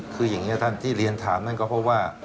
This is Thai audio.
คืออย่างนี้ท่านที่เรียนถามนั่นก็เพราะว่า